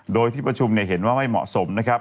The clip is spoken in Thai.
โดยที่ประชุมเห็นว่าไม่เหมาะสมนะครับ